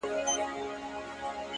د نظم ځواک ګډوډي کموي!